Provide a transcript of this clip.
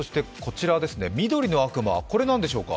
緑の悪魔、これは何でしょうか。